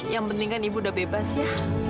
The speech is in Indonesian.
yang penting kan ibu udah bebas ya